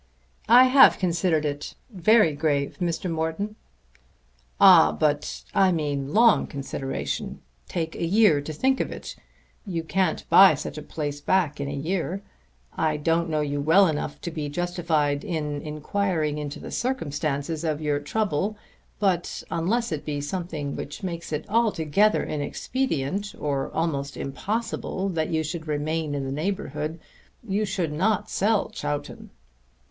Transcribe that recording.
"I have considered it, very grave, Mr. Morton." "Ah, but I mean long consideration. Take a year to think of it. You can't buy such a place back in a year. I don't know you well enough to be justified in inquiring into the circumstances of your trouble; but unless it be something which makes it altogether inexpedient, or almost impossible that you should remain in the neighbourhood, you should not sell Chowton."